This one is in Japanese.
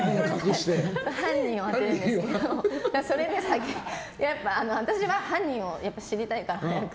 犯人を当てるんですけど私は犯人を知りたいから、早く。